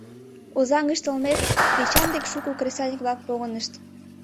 Озаҥ гыч толмек, Эчан дек шуко кресаньык-влак погынышт.